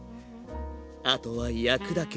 あとは焼くだけ。